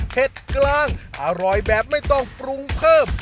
กลางอร่อยแบบไม่ต้องปรุงเพิ่ม